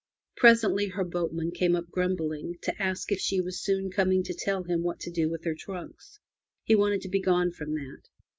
Presently her boatman came up grumbling to ask if she were soon coming to tell him what to do with her trunks. He wanted to be gone from that.